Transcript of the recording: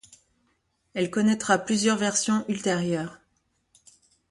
Elle connaitra plusieurs versions ultérieures.